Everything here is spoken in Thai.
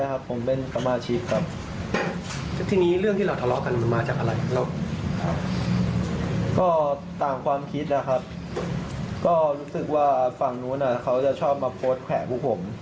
เขารู้สึกว่าฝั่งนู้นเขาจะชอบมาโพสแข่ผู้ผม